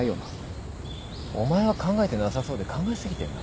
お前は考えてなさそうで考え過ぎてんな。